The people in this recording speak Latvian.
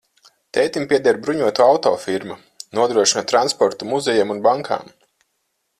Tētim pieder bruņoto auto firma, nodrošina transportu muzejiem un bankām.